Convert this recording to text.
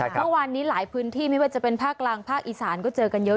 เมื่อวานนี้หลายพื้นที่ไม่ว่าจะเป็นภาคกลางภาคอีสานก็เจอกันเยอะ